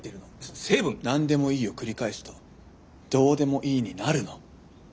「なんでもいい」を繰り返すと「どうでもいい」になるの。